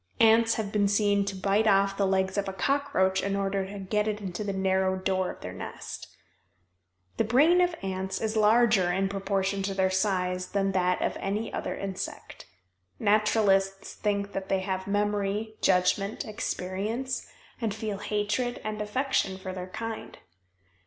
Ants have been seen to bite off the legs of a cockroach in order to get it into the narrow door of their nest. The brain of ants is larger in proportion to their size than that of any other insect. Naturalists think that they have memory, judgment, experience, and feel hatred and affection for their kind.